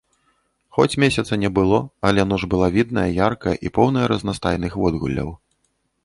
Хоць месяца не было, але ноч была відная, яркая і поўная разнастайных водгулляў.